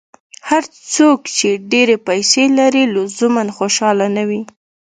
هر څوک چې ډېرې پیسې لري، لزوماً خوشاله نه وي.